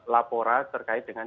laporan terkait dengan